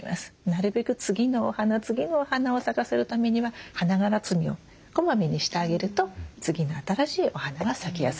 なるべく次のお花次のお花を咲かせるためには花がら摘みをこまめにしてあげると次の新しいお花が咲きやすいです。